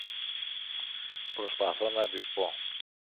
Προσπαθώ να της πω